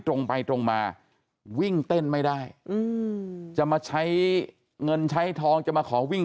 ตรงไปตรงมาวิ่งเต้นไม่ได้อืมจะมาใช้เงินใช้ทองจะมาขอวิ่ง